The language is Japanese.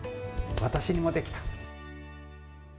私にもできた。